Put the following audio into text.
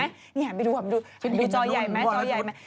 เดี๋ยวก็หาไปดูจอใหญ่ไหม